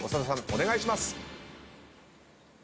お願いします！